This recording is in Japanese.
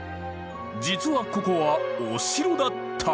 実はここはお城だった。